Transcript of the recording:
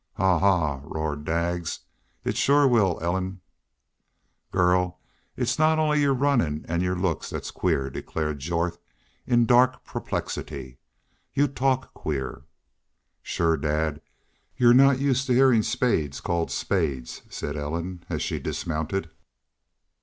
"Haw! Haw!" roared Daggs. "It shore will, Ellen." "Girl, it's not only your runnin' an' your looks that's queer," declared Jorth, in dark perplexity. "You talk queer." "Shore, dad, y'u're not used to hearing spades called spades," said Ellen, as she dismounted.